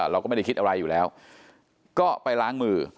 เราก็ไม่ได้คิดอะไรอยู่แล้วก็ไปล้างมือ